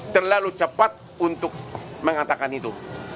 terlalu cepat untuk mengatakan itu